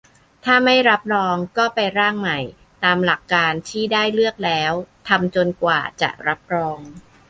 ถ้าไม่รับรอง ก็ไปร่างใหม่ ตามหลักการที่ได้เลือกแล้ว ทำจนกว่าจะรับรอง